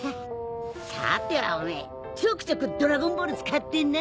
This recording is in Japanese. さてはおめえちょくちょくドラゴンボール使ってんな。